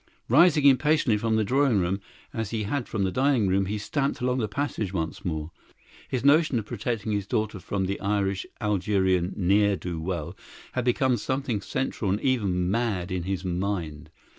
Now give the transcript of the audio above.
Rising impatiently from the drawing room, as he had from the dining room, he stamped along the passage once more. His notion of protecting his daughter from the Irish Algerian n'er do well had become something central and even mad in his mind.